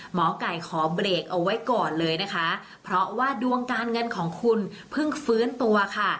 หมอไก่ขอเบรกเอาไว้ก่อนเลยนะคะเพราะว่าดวงการเงินของคุณเพิ่งฟื้นตัวค่ะ